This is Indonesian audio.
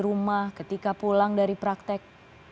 rumah ketika pulang dari praktek